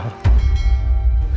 semakin banyak yang mendoakan